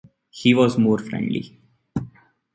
He was more friendly.